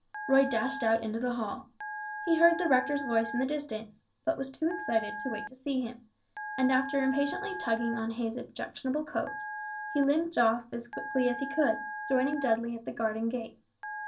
Roy dashed out into the hall. He heard the rector's voice in the distance, but was too excited to wait to see him, and after impatiently tugging on his objectionable coat, he limped off as quickly as he could, joining Dudley at the garden gate.